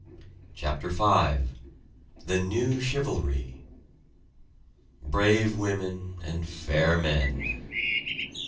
CHAPTER V THE NEW CHIVALRY Brave women and fair men!